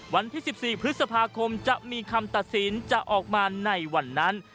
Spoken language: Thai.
วันที่๑๔พฤษภาคมจะมีคำตัดสินจะออกมาในวันนั้น